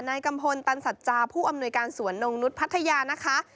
กัมพลตันสัจจาผู้อำนวยการสวนนงนุษย์พัทยานะคะ